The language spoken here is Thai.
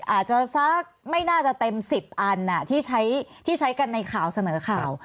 อาจจะสักไม่น่าจะเต็ม๑๐อันที่ใช้กันในข่าวเสนอข่าว